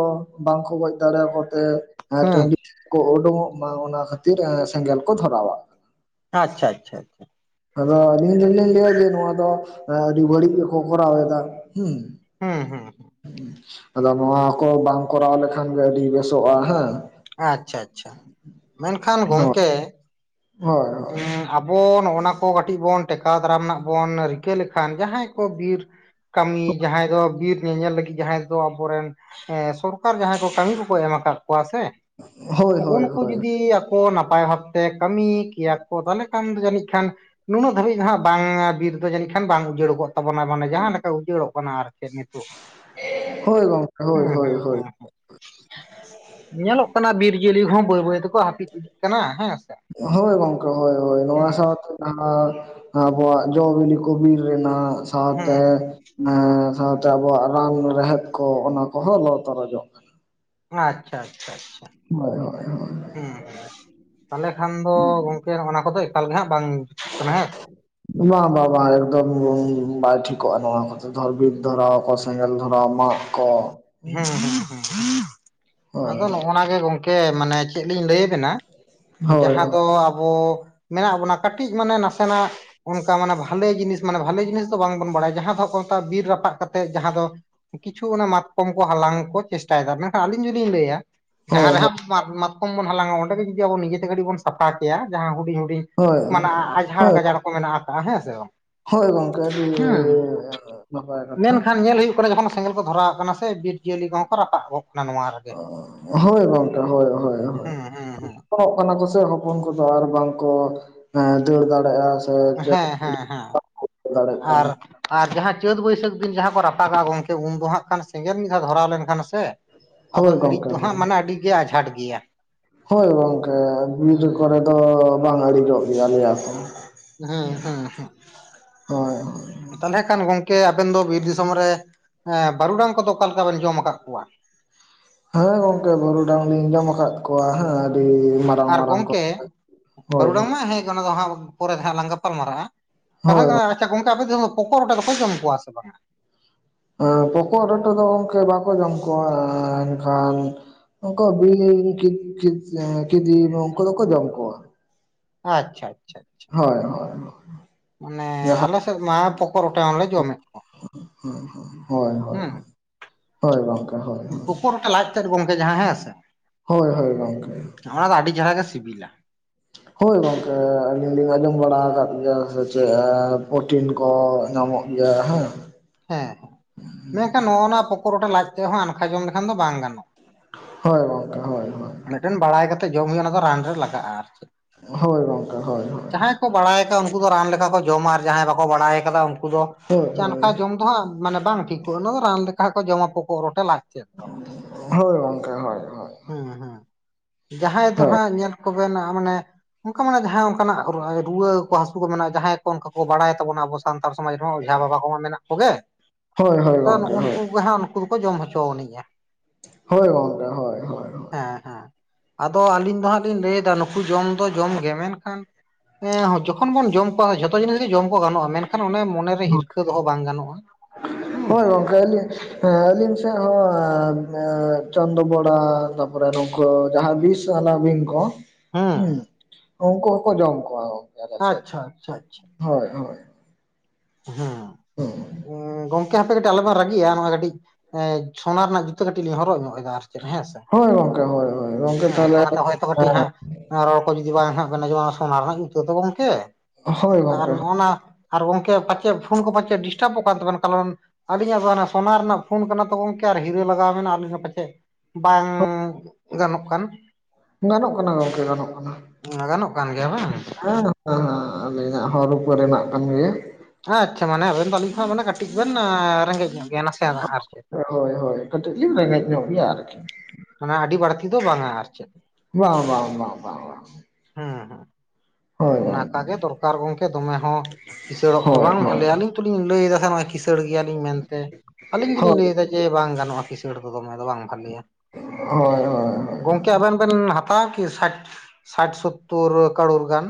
ᱵᱟᱝᱠᱚ ᱜᱚᱡ ᱫᱟᱲᱮ ᱟᱠᱚ ᱛᱮ ᱾ ᱮ ᱦᱮᱸ ᱴᱟᱺᱰᱤ ᱠᱚ ᱩᱰᱚᱝᱚᱜ ᱢᱟ ᱚᱱᱟ ᱠᱷᱟᱹᱛᱤᱨ ᱮᱸ ᱥᱮᱸᱜᱮᱞ ᱠᱚ ᱫᱷᱚᱨᱟᱣᱟ ᱾ ᱟᱪᱪᱷᱟ ᱟᱪᱷᱟ ᱟᱪᱪᱷᱟ ᱾ ᱟᱫᱚ ᱟᱹᱞᱤᱧ ᱫᱚᱞᱤᱤᱧ ᱞᱟᱹᱭᱟ ᱡᱮ ᱱᱚᱣᱟ ᱫᱚ ᱮᱸ ᱟᱹᱰᱤ ᱵᱟᱹᱲᱤᱡ ᱜᱮᱠᱚ ᱠᱚᱨᱟᱣ ᱮᱫᱟ ᱦᱩᱸ ᱾ ᱦᱩᱸ ᱦᱩᱸ ᱾ ᱟᱫᱚ ᱦᱟ ᱠᱚ ᱵᱟᱝ ᱠᱚᱨᱟᱣ ᱞᱮᱠᱷᱟᱱ ᱜᱮ ᱟᱹᱰᱤ ᱵᱮᱥᱚᱜᱼᱟ ᱦᱮᱸ ᱾ ᱟᱪᱪᱷᱟ ᱟᱪᱪᱷᱟ ᱢᱮᱱᱠᱷᱟᱱ ᱜᱚᱝᱠᱮ ᱦᱳᱭ [inaudible] ᱵᱚᱱ ᱱᱚᱜᱼᱱᱟ ᱠᱚ ᱠᱟᱹᱴᱤᱡ ᱵᱚᱱ ᱴᱮᱠᱟᱣ ᱫᱟᱨᱟᱢ ᱱᱟᱜ ᱵᱚᱱ ᱨᱤᱠᱟᱹ ᱞᱮᱠᱷᱟᱱ ᱡᱟᱦᱟᱸᱭ ᱠᱚ ᱵᱤᱨ ᱾ ᱠᱟᱹᱢᱤ ᱡᱟᱦᱟᱸᱭ ᱫᱚ ᱵᱤᱨ ᱧᱮᱧᱮᱞ ᱞᱟᱹᱜᱤᱫ ᱡᱟᱦᱟᱸᱭ ᱫᱚ ᱟᱵᱚᱨᱮᱱ ᱮ ᱥᱚᱨ ᱠᱟᱨ ᱡᱟᱦᱟᱸᱭ ᱠᱚ ᱠᱟᱹᱢᱤ ᱠᱚᱠᱚ ᱮᱢ ᱟᱠᱟᱜ ᱠᱚᱣᱟ ᱥᱮ ᱾ ᱦᱳᱭ ᱦᱳᱭ ᱦᱩᱸᱜᱼᱩᱸ ᱦᱳᱭ ᱱᱩᱠᱩ ᱦᱳᱭ ᱡᱩᱫᱤ ᱟᱠᱚ ᱱᱟᱯᱟᱭ ᱵᱷᱟᱵᱛᱮ ᱠᱟᱹᱢᱤ ᱠᱮᱭᱟ ᱠᱚ ᱛᱷᱟᱞᱮ ᱠᱷᱟᱱ ᱡᱟᱹᱱᱤᱡ ᱠᱷᱟᱱ ᱾ ᱱᱩᱱᱟᱹᱜ ᱫᱷᱟᱹᱵᱤᱡ ᱦᱟᱸᱜ ᱵᱟᱝ ᱵᱤᱨ ᱫᱚ ᱡᱟᱹᱱᱤᱡ ᱠᱷᱟᱱ ᱵᱟᱝ ᱩᱡᱟᱹᱲ ᱠᱚᱜ ᱛᱟᱵᱚᱱᱟ ᱢᱟᱱᱮ ᱡᱟᱦᱟᱸ ᱞᱮᱠᱟ ᱩᱡᱟᱹᱲᱚᱜ ᱠᱟᱱᱟ ᱟᱨ ᱾ [inaudible] ᱦᱳᱭ ᱜᱚᱝᱠᱮ ᱦᱳᱭ ᱦᱩᱸ ᱦᱳᱭ ᱦᱩᱸ ᱦᱳᱭ ᱾ [inaudible] ᱧᱮᱞᱚᱜ ᱠᱟᱱᱟ ᱵᱤᱨ ᱡᱤᱭᱟᱹᱞᱤ ᱦᱚᱸ ᱵᱟᱹᱭ ᱵᱟᱹᱭ ᱦᱟᱹᱯᱤᱫ ᱤᱫᱤᱜ ᱠᱟᱱᱟ ᱦᱮᱸ ᱥᱮ ᱦᱳᱭ ᱜᱚᱝᱠᱮ ᱦᱳᱭ ᱦᱳᱭ ᱱᱚᱣᱟ ᱦᱩᱸ ᱥᱟᱶᱛᱮ ᱾ ᱟᱨ ᱟᱵᱚᱣᱟᱜ ᱡᱚᱼᱵᱤᱱᱤ ᱠᱚ ᱵᱤᱨ ᱨᱮᱱᱟᱜ ᱦᱩᱸ ᱥᱟᱶᱛᱮ ᱾ ᱮ ᱥᱟᱶᱛᱮ ᱟᱵᱚᱣᱟᱜ ᱨᱟᱱ ᱨᱮᱦᱮᱫ ᱠᱚ ᱚᱱᱟ ᱠᱚᱦᱚᱸ ᱞᱚ ᱛᱚᱨᱚᱡᱚᱜ ᱠᱟᱱᱟ ᱟᱪᱪᱷᱟ ᱟᱪᱪᱷᱟ ᱟᱪᱪᱷᱟ ᱦᱳᱭ ᱦᱳᱭ ᱦᱳᱭ ᱦᱩᱸ ᱩᱸ ᱛᱟᱞᱦᱮ ᱠᱷᱟᱱ ᱫᱚ ᱜᱚᱝᱠᱮ ᱚᱱᱟ ᱠᱚᱫᱚ ᱮᱠᱟᱞ ᱜᱮ ᱦᱟᱸᱜ ᱵᱟᱝ ᱡᱩᱛᱩ ᱠᱟᱱᱟ ᱦᱮᱸ [inaudible] ᱵᱟᱝ ᱵᱟᱝ ᱵᱟᱝ ᱮᱠᱫᱚᱢ ᱵᱟᱭ ᱴᱷᱤᱠᱚᱜᱼᱟ ᱱᱚᱣᱟ ᱠᱚᱛᱮ ᱫᱷᱚᱨ ᱵᱷᱤᱛ ᱫᱷᱚᱨᱟᱣ ᱟᱠᱚ ᱥᱮᱸᱜᱮᱞ ᱫᱷᱚᱨᱟᱣ ᱢᱟ ᱠᱚ ᱦᱩᱸ ᱦᱩᱸ [inaudible] ᱦᱳᱭ ᱟᱫᱚ ᱱᱚᱜᱼᱱᱟ ᱜᱮ ᱜᱚᱝᱠᱮ᱾ ᱠᱮ ᱢᱟᱱᱮ ᱪᱮᱜ ᱞᱤᱧ ᱞᱟᱹᱭ ᱟᱵᱮᱱᱟ ᱦᱳᱭ ᱦᱳᱭ ᱡᱟᱦᱟᱸ ᱫᱚ ᱟᱵᱚ ᱢᱮᱱᱟᱜ ᱵᱚᱱᱟ ᱠᱟᱹᱴᱤᱡ ᱢᱟᱱᱮ ᱱᱟᱥᱮᱱᱟᱜ ᱚᱝᱠᱟ ᱢᱟᱱᱮ ᱵᱷᱟᱞᱮ ᱡᱤᱱᱤᱥ ᱢᱟᱱᱮ ᱵᱷᱟᱞᱮ ᱡᱤᱱᱤᱥ ᱫᱚ ᱵᱟᱝᱵᱚᱱ ᱵᱟᱲᱟᱭᱟ ᱡᱟᱦᱟᱸ ᱫᱚ ᱢᱮ ᱵᱤᱨ ᱨᱟᱯᱟᱜ ᱠᱟᱛᱮᱜ ᱡᱟᱦᱟᱸ ᱫᱚ, ᱠᱤᱪᱷᱩ ᱚᱱᱟ ᱢᱟᱛ ᱠᱚᱢ ᱠᱚ ᱦᱟᱞᱟᱝ ᱠᱚ ᱪᱮᱥᱴᱟᱭᱫᱟ ᱢᱮᱱᱠᱷᱟᱱ ᱟᱹᱞᱤᱧ ᱡᱩᱫᱤᱧ ᱞᱟᱹᱭᱟ ᱡᱟᱦᱟᱸ ᱨᱮ ᱦᱳᱭ ᱦᱟᱸᱜ ᱢᱟᱛ-ᱢᱟᱛᱠᱚᱢ ᱵᱚᱱ ᱦᱟᱞᱟᱝ ᱚᱸᱰᱮ ᱜᱮ ᱡᱩᱫᱤ ᱟᱵᱚ ᱱᱤᱡᱮᱛᱮ ᱜᱟᱹᱴᱤᱡ ᱵᱚᱱ ᱥᱟᱯᱷᱟ ᱠᱮᱭᱟ ᱡᱟᱦᱟᱸ ᱦᱩᱰᱤᱧ-ᱦᱩᱰᱤᱧ ᱦᱳᱭ ᱢᱟᱱᱮ ᱟᱡᱷᱟᱲ ᱦᱳᱭ ᱜᱟᱡᱟᱲ ᱠᱚ ᱢᱮᱱᱟᱜ ᱟᱠᱟᱜᱼᱟ ᱦᱮᱸ ᱥᱮ ᱵᱟᱝ ᱦᱳᱭ ᱜᱚᱝᱠᱮ ᱟᱹᱰᱤ ᱾ ᱦᱩᱸ, ᱱᱟᱯᱟᱭ ᱠᱟᱛᱷᱟ ᱢᱮᱱᱠᱷᱟᱱ ᱧᱮᱞ ᱦᱳᱭᱳᱜ ᱠᱟᱱᱟ ᱡᱚᱠᱷᱚᱱ ᱥᱮᱸᱜᱮᱞ ᱠᱚ ᱫᱷᱚᱨᱟᱣ ᱠᱟᱱᱟ ᱥᱮ ᱵᱤᱨ ᱡᱤᱭᱟᱹᱞᱤ ᱠᱚᱦᱚᱸ ᱠᱚ ᱨᱟᱯᱟᱜ ᱜᱚᱜ ᱠᱟᱱᱟ ᱱᱚᱣᱟ ᱨᱮᱜᱮ ᱦᱳᱭ ᱜᱚᱝᱠᱮ ᱦᱳᱭ ᱦᱳᱭ ᱦᱳᱭ᱾ ᱦᱩᱸ ᱦᱩᱸ ᱦᱩᱸ ᱯᱚᱱᱚᱜ ᱠᱟᱱᱟ ᱠᱚ ᱮᱥ ᱦᱚᱯᱚᱱ ᱠᱚᱫᱚ ᱟᱨ ᱵᱟᱝ ᱠᱚ, ᱮᱸ ᱫᱟᱹᱲ ᱫᱟᱲᱮᱜᱼᱟ᱾ ᱦᱮᱸ ᱦᱮᱸ ᱦᱮᱸ ᱫᱟᱲᱮᱜ ᱟᱨ ᱠᱟᱱᱟ ᱟᱨ ᱡᱟᱦᱟᱸ ᱪᱟᱹᱛ ᱵᱟᱹᱭᱥᱟᱹᱠ ᱫᱤᱱ ᱡᱟᱦᱟᱸ ᱠᱚ ᱨᱟᱯᱟᱜᱟ ᱜᱚᱝᱠᱮ ᱩᱱ ᱫᱚ ᱦᱟᱜ ᱠᱷᱟᱱ ᱥᱮᱸᱜᱮᱞ ᱢᱤᱫ ᱫᱷᱟᱣ ᱫᱷᱚᱨᱟᱣ ᱞᱮᱱᱠᱷᱟᱱ ᱥᱮ, ᱟᱫᱚ ᱦᱳᱭ ᱤᱬᱤᱡ ᱜᱚᱝᱠᱮ ᱫᱚ ᱦᱟᱸᱜ ᱦᱳᱭ ᱢᱟᱱᱮ ᱟᱹᱰᱤ ᱜᱮ ᱟᱡᱷᱟᱴ ᱜᱮᱭᱟ᱾ ᱦᱳᱭ ᱜᱚᱝᱠᱮ, ᱵᱤᱨ ᱦᱩᱸ ᱠᱚᱨᱮ ᱫᱚ ᱵᱟᱝ ᱟ. ᱲᱤ ᱡᱚᱜ ᱯᱮᱭᱟ ᱞᱮᱭᱟ ᱠᱚ ᱦᱩᱸ ᱦᱳᱭ ᱦᱳ ᱛᱟᱞᱦᱮ ᱠᱷᱟᱱ ᱜᱚᱝᱠᱮ ᱟᱵᱮᱱ ᱫᱚ ᱵᱤᱨ ᱫᱤᱥᱚᱢ ᱨᱮ, ᱮᱸ ᱵᱟᱹᱨᱩᱰᱟᱝ ᱠᱚᱫᱚ ᱚᱠᱟᱞᱮᱠᱟ ᱵᱮᱱ ᱡᱚᱢ ᱠᱟᱜ ᱠᱚᱣᱟ? ᱦᱮᱸ ᱜᱚᱝᱠᱮ ᱵᱟᱹᱨᱩᱰᱟᱝ ᱞᱤᱧ ᱡᱚᱢ ᱟᱠᱟᱫ ᱠᱚᱣᱟ ᱦᱮᱸ ᱟᱹᱰᱤ ᱢᱟᱨᱟᱝ ᱟᱨ ᱢᱟᱨᱟᱝ ᱠᱚ ᱜᱚᱝᱠᱮ ᱦᱳᱭ ᱵᱟᱹᱨᱩᱰᱟᱝ ᱦᱳᱭ ᱢᱟ ᱦᱮᱸ ᱜᱮ ᱚᱱᱟ ᱫᱚ ᱦᱟᱸᱜ ᱯᱚᱨᱮ ᱫᱚ ᱦᱟᱸᱜ ᱞᱟᱝ ᱜᱟᱯᱟᱞᱢᱟᱨᱟᱜᱼᱟ ᱾ ᱠᱟᱛᱷᱟ ᱦᱳᱭ ᱠᱟᱱᱟ ᱟᱪᱪᱷᱟ ᱜᱚᱝᱠᱮ ᱟᱯᱮ ᱥᱮᱜ ᱫᱚ ᱯᱚᱠᱚᱜ ᱨᱚᱴᱮ ᱵᱟᱠᱚ ᱡᱚᱢ ᱠᱚᱣᱟ ᱥᱮ ᱵᱟᱝ ᱦᱟᱸᱜ? ᱟᱹ ᱯᱚᱠᱚᱜ ᱨᱚᱴᱮ ᱫᱚ ᱜᱚᱝᱠᱮ ᱵᱟᱠᱚ ᱡᱚᱢ ᱠᱚᱣᱟ ᱮᱱᱠᱷᱟᱱ ᱩᱝᱠᱩ ᱵᱤᱧ ᱠᱤᱫ-ᱠᱤᱫ-ᱠᱤᱫᱤᱧ ᱩᱝᱠᱩ ᱫᱚᱠᱚ ᱡᱚᱢ ᱠᱚᱣᱟ ᱾ ᱟᱪᱪᱷᱟ ᱟᱪᱪᱷᱟ ᱟᱪᱪᱷᱟ᱾ ᱦᱳᱭ ᱦᱳᱭ᱾ ᱢᱟᱱᱮ ᱡᱟᱦᱟᱸ ᱟᱞᱮ ᱥᱮᱜ ᱢᱟ ᱯᱚᱠᱚᱜ ᱨᱚᱴᱮ ᱦᱚᱸ ᱞᱮ ᱡᱚᱢᱮᱜ [inaudible] ᱦᱳᱭ ᱦᱳᱭ ᱦᱳᱭ ᱦᱳᱭ ᱜᱚᱝᱠᱮ ᱦᱳᱭ᱾ ᱪᱮᱛ ᱜᱚᱝᱠᱮ ᱡᱟᱦᱟᱸ ᱦᱮᱸ ᱥᱮ? ᱦᱳᱭ ᱦᱳᱭ ᱜᱚᱝᱠᱮ ᱾ ᱚᱱᱟ ᱫᱚ ᱟᱹᱰᱤ ᱪᱮᱦᱨᱟ ᱜᱮ ᱥᱤᱵᱤᱞᱟ ᱾ ᱦᱳᱭ ᱜᱚᱝᱠᱮ ᱟᱹᱞᱤᱧ ᱞᱤᱧ ᱟᱸᱡᱚᱢ ᱵᱟᱲᱟ ᱟᱠᱟᱫ ᱜᱮᱭᱟ ᱥᱮ ᱪᱮᱫ ᱯᱨᱚᱴᱤᱱ ᱠᱚ ᱧᱟᱢᱚᱜ ᱤᱭᱟ ᱦᱮᱸ ᱾ ᱦᱮᱸ ᱦᱮᱸ ᱢᱮᱱᱠᱷᱟᱱ ᱱᱚᱜᱼᱱᱟ ᱯᱚᱠᱚᱜ ᱨᱚᱴᱮ ᱞᱟᱡ ᱛᱮ ᱦᱚᱸ ᱟᱱᱠᱷᱟ ᱡᱚᱢ ᱞᱮᱠᱷᱟᱱ ᱫᱚ ᱵᱟᱝ ᱜᱟᱱᱚᱜᱼᱟ ᱾ ᱦᱳᱭ ᱜᱚᱝᱠᱮ ᱦᱳ ᱢᱮᱫᱴᱮᱱ ᱵᱟᱲᱟᱭ ᱠᱟᱛᱮᱜ ᱡᱚᱢ ᱦᱳᱭᱳᱜᱼᱟ ᱚᱱᱟ ᱫᱚ ᱨᱟᱱ ᱨᱮ ᱞᱟᱜᱟᱜᱼᱟ ᱟᱨ ᱪᱮᱜ᱾ ᱦᱳᱭ ᱜᱚᱝᱠᱮ ᱦᱳᱭ ᱦᱳᱭ᱾ ᱡᱟᱦᱟᱸᱭ ᱠᱚ ᱵᱟᱲᱟᱭ ᱟᱠᱟᱫᱟ ᱩᱝᱠᱩ ᱫᱚ ᱨᱟᱱ ᱞᱮᱠᱟ ᱠᱚ ᱡᱚᱢᱟ ᱟᱨ ᱡᱟᱦᱟᱸᱭ ᱵᱟᱠᱚ ᱵᱟᱲᱟᱭ ᱟᱠᱟᱫᱟ ᱩᱝᱠᱩ ᱫᱚ, ᱦᱳᱭ ᱦᱳᱭ ᱪᱟᱱᱠᱷᱟ ᱡᱚᱢ ᱫᱚ ᱦᱟᱸᱜ ᱢᱟᱱᱮ ᱵᱟᱝ ᱴᱷᱤᱠᱚᱜᱼᱟ, ᱚᱱᱟ ᱫᱚ ᱨᱟᱱ ᱞᱮᱠᱟ ᱠᱚ ᱡᱚᱢᱟ ᱯᱚᱠᱚᱜ ᱨᱚᱴᱮ ᱞᱟᱡ ᱛᱮᱫ ᱾ ᱦᱳᱭ ᱜᱚᱝᱠᱮ ᱦᱳᱭ᱾ ᱦᱳᱭ ᱦᱩᱸ ᱦᱩᱸ ᱡᱟᱦᱟᱸᱭ ᱦᱳᱭ ᱫᱚᱦᱟᱸᱜ ᱧᱮᱞ ᱠᱚᱵᱮᱱ ᱢᱟᱱᱮ ᱚᱝᱠᱟ ᱢᱟᱱᱟᱜ ᱡᱟᱦᱟᱸᱭ ᱚᱝᱠᱟᱱᱟᱜ ᱨᱩᱣᱟᱹ ᱠᱚ ᱦᱟᱹᱥᱩ ᱠᱚ ᱢᱮᱱᱟᱜᱼᱟ ᱡᱟᱦᱟᱸᱭ ᱠᱚ ᱚᱱᱠᱟ ᱠᱚ ᱵᱟᱲᱟᱭ ᱛᱟᱵᱚᱱᱟ ᱟᱵᱚ ᱥᱟᱱᱛᱟᱲ ᱥᱚᱢᱟᱡᱽ ᱨᱮ ᱦᱚᱸ ᱳᱡᱷᱟ ᱵᱟᱵᱟ ᱠᱚᱢᱟ ᱢᱮᱱᱟᱜ ᱠᱚᱜᱮ ᱾ ᱦᱳᱭ ᱦᱳᱭ ᱛᱚ ᱜᱚᱝᱠᱮ ᱱᱚᱜᱼᱚ ᱦᱳᱭ ᱱᱩᱠᱩ ᱜᱮ ᱦᱟᱸᱜ ᱩᱱᱠᱩ ᱫᱚᱠᱚ ᱡᱚᱢ ᱦᱚᱪᱚ ᱟᱹᱱᱤᱡᱼᱟ ᱾ ᱦᱳᱭ ᱜᱚᱝᱠᱮ᱾ ᱦᱳᱭ ᱦᱳᱭ ᱦᱳᱭ ᱦᱮᱸ ᱦᱮᱸ᱾ ᱟᱫᱚ ᱟᱹᱞᱤᱧ ᱫᱚ ᱦᱟᱸᱜ ᱞᱤᱧ ᱞᱟᱹᱭᱫᱟ ᱱᱩᱠᱩ ᱡᱚᱢ ᱫᱚ ᱡᱚᱢ ᱜᱮ ᱢᱮᱱᱠᱷᱟᱱ ᱦᱮᱸ ᱡᱚᱠᱷᱚᱱ ᱵᱚᱱ ᱡᱚᱢ ᱠᱚᱣᱟ ᱡᱚ ᱛᱚ ᱡᱤᱱᱤᱥ ᱜᱮ ᱡᱚᱢ ᱠᱚ ᱜᱟᱱᱚᱜᱼᱟ, ᱢᱮᱱᱠᱷᱟᱱ ᱚᱱᱮ ᱢᱚᱱᱮᱨᱮ ᱦᱤᱨᱠᱷᱟᱹ ᱫᱚᱦᱚ ᱵᱟᱝ ᱜᱟᱱᱚᱜᱼᱟ ᱾ ᱦᱳᱭ ᱜᱚᱝᱠᱮ ᱟ. ᱞᱤᱧ ᱦᱮᱸ ᱟᱹᱞᱤᱧ ᱥᱮᱫ ᱦᱚᱸ ᱪᱚᱱᱫᱚ ᱵᱚᱲᱟ ᱛᱟᱯᱚᱨᱮ ᱱᱚ ᱫᱚ ᱡᱟᱦᱟᱸ ᱵᱤᱥ ᱟᱞᱟ ᱵᱤᱧ ᱠᱚ ᱦᱩᱸ ᱩᱱᱠᱩ ᱦᱚᱸᱠᱚ ᱡᱚᱢ ᱠᱚᱣᱟ ᱜᱚᱝᱠᱮ ᱟᱞᱮ ᱥᱮᱫ ᱟᱪᱪᱷᱟ ᱟᱪᱪᱷᱟ ᱦᱳᱭ ᱦᱳᱭ᱾ ᱦᱩᱸ᱾ ᱦᱩᱸ᱾ ᱜᱚᱝᱠᱮ ᱦᱟᱯᱮ ᱠᱟᱹᱴᱤᱡ ᱟᱞᱚ ᱵᱮᱱ ᱨᱟᱹᱜᱤᱜᱼᱟ ᱱᱚᱣᱟ ᱠᱟᱹᱴᱤᱡ ᱮᱸ ᱥᱳᱱᱟ ᱨᱮᱱᱟᱜ ᱡᱩᱛᱟᱹ ᱠᱟᱹᱴᱤᱡ ᱞᱤᱧ ᱦᱚᱨᱚᱜ ᱧᱚᱜ ᱮᱫᱟ ᱟᱨᱠᱤ ᱾ ᱦᱮᱸ ᱥᱮ ᱦᱳᱭ ᱜᱚᱝᱠᱮ ᱦᱳᱭ ᱦᱳᱭ ᱜᱚᱝᱠᱮ ᱦᱮᱸ ᱛᱟᱦᱚᱞᱮ ᱚᱱᱟᱛᱮ ᱠᱟᱹᱴᱤᱡ ᱦᱟᱸᱜ ᱨᱚᱲ ᱠᱚ ᱡᱩᱫᱤ ᱵᱟᱝ ᱦᱟᱸᱜ ᱵᱮᱱ ᱟᱸᱡᱚᱢᱟ ᱚᱱᱟ ᱥᱚᱱᱟ ᱨᱮᱱᱟᱜ ᱛᱮᱫᱚ ᱜᱚᱝᱠᱮ ᱦᱳᱭ ᱟᱨ ᱜᱚᱝᱠᱮ ᱱᱚᱜᱼᱱᱟ ᱟᱨ ᱜᱚᱝ ᱯᱟᱪᱮᱫ ᱯᱷᱚᱱ ᱠᱚ ᱯᱟᱪᱮᱫ ᱰᱤᱥᱴᱟᱵᱚᱜ ᱠᱟᱱ ᱛᱟᱵᱮᱱ ᱠᱟᱨᱚᱱ ᱟᱹᱞᱤᱧᱟᱜ ᱫᱚ ᱥᱳᱱᱟ ᱨᱮᱱᱟᱜ ᱯᱷᱳᱱ ᱠᱟᱱᱟ ᱛᱚ ᱜᱚᱢᱠᱮ ᱟᱨ ᱦᱤᱨᱟᱹ ᱞᱟᱜᱟᱣ ᱢᱮᱱᱟᱜ ᱟᱹᱞᱤᱧ ᱦᱚᱸ ᱯᱟᱪᱮᱫ ᱾ ᱵᱟᱝ ᱜᱟᱱᱚᱜ ᱠᱟᱱ ᱜᱟᱱᱚᱜ ᱠᱟᱱᱟ ᱜᱚᱝᱠᱮ ᱜᱟᱱᱚᱜ ᱠᱟᱱᱟ᱾ ᱜᱟᱱᱚᱜ ᱠᱟᱱ ᱜᱮᱭᱟ ᱵᱟᱝ? ᱦᱟ ᱟᱹᱞᱤᱧᱟᱜ ᱦᱚ ᱨᱩᱯᱟ. ᱨᱮᱱᱟᱜ ᱠᱟᱱ ᱜᱮᱭᱟ᱾ ᱟᱪᱪᱷᱟ ᱢᱟᱱᱮ ᱟᱵᱮᱱ ᱫᱚ ᱟᱹᱞᱤᱧ ᱠᱷᱚᱱ ᱢᱟᱱᱮ ᱠᱟᱹᱴᱤᱡ ᱵᱮᱱ ᱨᱮᱸᱜᱮᱡ ᱧᱚᱜ ᱜᱮᱭᱟ ᱱᱟᱥᱮᱱᱟᱜ ᱱᱟᱜ ᱟᱨᱠᱤ᱾ ᱦᱳᱭ ᱦᱳᱭ ᱠᱟᱹᱴᱤᱡ ᱞᱤᱧ ᱨᱮᱸᱜᱮᱡ ᱧᱚᱜ ᱜᱮᱭᱟ ᱟᱨᱠᱤ᱾ ᱢᱟᱱᱮ ᱟᱹᱰᱤ ᱵᱟᱹᱲᱛᱤ ᱫᱚ ᱵᱟᱝᱟ ᱟᱨ ᱪᱮᱫ᱾ ᱵᱟᱝ ᱵᱟᱝ ᱾ ᱦᱩᱸ ᱦᱩᱸ ᱾ ᱚᱱᱟ-ᱠᱟ ᱜᱚᱝᱠᱮ ᱜᱮ ᱫᱚᱨᱠᱟᱨ ᱜᱚᱝᱠᱮ ᱫᱚᱢᱮ ᱦᱚᱸ ᱠᱤᱥᱟᱹᱲᱚᱜ ᱫᱚ ᱦᱳᱭ ᱵᱟᱝ ᱦᱳᱭ ᱵᱷᱟᱞᱮᱭᱟ ᱟᱹᱞᱤᱧ ᱛᱩᱞᱤᱧ ᱞᱟᱹᱭ ᱫᱟ ᱦᱮᱸ ᱱᱚᱜᱼᱚᱭ ᱠᱤᱥᱟᱹᱲ ᱜᱮᱭᱟᱞᱤᱧ ᱢᱮᱱᱛᱮ ᱟᱹᱞᱤᱧ ᱜᱤᱞᱤᱧ ᱦᱳᱭ ᱞᱟᱹᱭᱫᱟ ᱡᱮ ᱵᱟᱝ ᱜᱟᱱᱚᱜᱼᱟ ᱠᱤᱥᱟᱹᱲ ᱫᱚ ᱫᱚᱢᱮ ᱫᱚ ᱵᱟᱝ ᱵᱷᱟᱞᱮᱭᱟ ᱦᱳᱭ ᱦᱳᱭ ᱜᱚᱝᱠᱮ ᱟᱵᱮᱱ ᱵᱮᱱ ᱦᱟ ᱦᱟᱛᱟᱣᱟᱠᱤ ᱥᱟᱴ ᱥᱟᱴ ᱥᱚᱛᱛᱚᱨ ᱠᱟᱨᱳᱨ ᱜᱟᱱ?